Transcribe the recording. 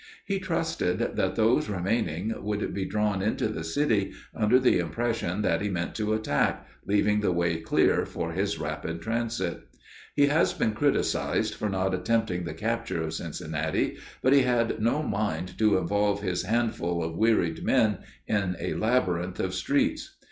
He trusted that those remaining would be drawn into the city, under the impression that he meant to attack, leaving the way clear for his rapid transit. He has been criticized for not attempting the capture of Cincinnati, but he had no mind to involve his handful of wearied men in a labyrinth of streets.